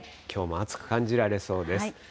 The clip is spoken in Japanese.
きょうも暑く感じられそうです。